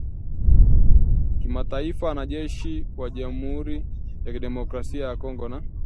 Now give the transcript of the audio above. Kimataifa Wanajeshi wa jamhuri ya kidemokrasi ya Kongo na